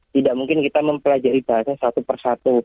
tidak mungkin kita mempelajari bahasa satu persatu